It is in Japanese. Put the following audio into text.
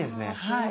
はい。